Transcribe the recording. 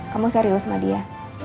kamu serius sama dia